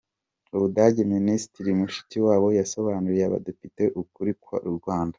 U Budage Minisitiri Mushikiwabo yasobanuriye Abadepite ukuri ku Rwanda